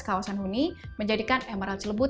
kawasan huni menjadikan emerald cilebut